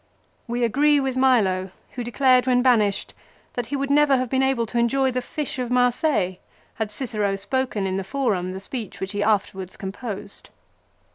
We agree with Milo who declared, when banished, that he would never have been able to enjoy the fish of Marseilles had Cicero spoken in the forum the speech which he afterwards composed.